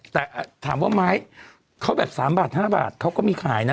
แต่ถามว่าไม้เขาแบบ๓บาท๕บาทเขาก็มีขายนะ